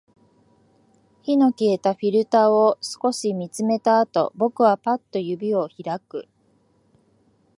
火の消えたフィルターを少し見つめたあと、僕はパッと指を開く